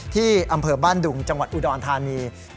ที่อำเภอบ้านดุงจังหวัดอุดรธานี